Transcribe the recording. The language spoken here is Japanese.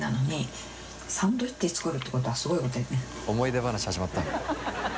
思い出話始まったな。